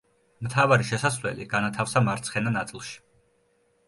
მთავარი შესასვლელი განათავსა მარცხენა ნაწილში.